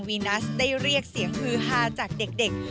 ัสได้เรียกเสียงฮือฮาจากเด็ก